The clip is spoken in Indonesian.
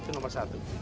itu nomor satu